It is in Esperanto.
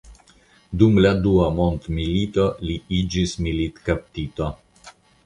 Dum la dua mondmilito li iĝis militkaptito.